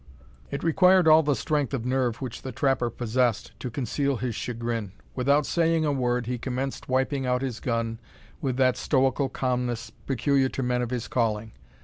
It required all the strength of nerve which the trapper possessed to conceal his chagrin. Without saying a word, he commenced wiping out his gun with that stoical calmness peculiar to men of his calling.